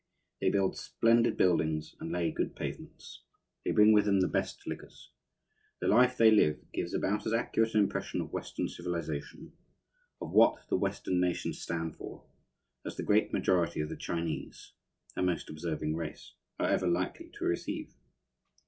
They build splendid buildings and lay good pavements. They bring with them the best liquors. The life they live gives about as accurate an impression of Western civilization of what the Western nations stand for as the great majority of the Chinese (a most observing race) are ever likely to receive.